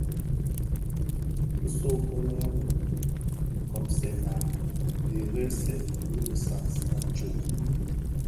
Nso folō anèn, kobsèna a dheresèn bi sansan a tsok.